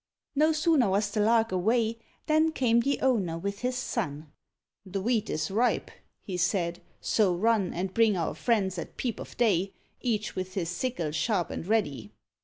No sooner was the Lark away, Than came the owner with his son. "The wheat is ripe," he said, "so run, And bring our friends at peep of day, Each with his sickle sharp and ready."